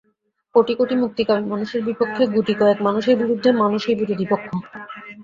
কোটি কোটি মুক্তিকামী মানুষের বিপক্ষে গুটি কয়েক মানুষের বিরুদ্ধে মানুষই বিরোধী পক্ষে।